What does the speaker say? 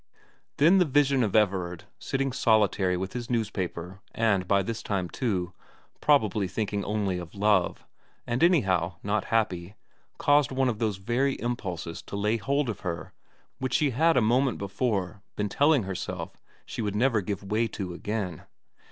Then the vision of Everard, sitting solitary with his newspaper and by this time, too, probably thinking only of love, and anyhow not happy, caused one of those very impulses to lay hold of her which she had a moment before been telling herself she would never give way to again.